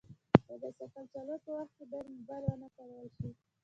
د بایسکل چلولو په وخت باید موبایل ونه کارول شي.